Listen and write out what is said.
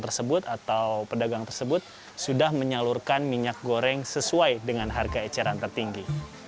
atau pedagang tersebut sudah menyalurkan minyak goreng sesuai dengan harga eceran tertinggi